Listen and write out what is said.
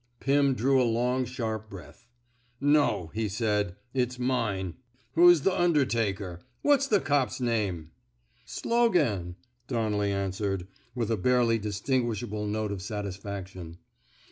Pim drew a long, sharp breath. No," he said. ^^ It 's mine. Who 's th ' undertaker ? What's the cop's name? "*^ Slogan," Donnelly answered, with a barely distinguishable note of satisfaction.